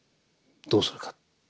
どうするか。